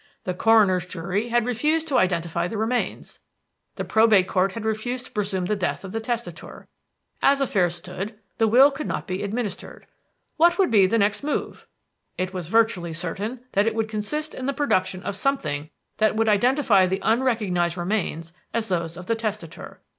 The coroner's jury had refused to identify the remains; the Probate Court had refused to presume the death of the testator. As affairs stood the will could not be administered. "What would be the next move? "It was virtually certain that it would consist in the production of something which would identify the unrecognized remains as those of the testator.